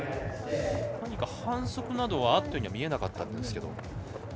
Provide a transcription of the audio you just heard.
何か、反則などがあったようには見えなかったんですけれども。